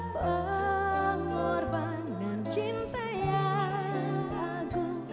pengorbanan cinta yang ragu